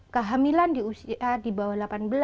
kehamilan di bawah delapan belas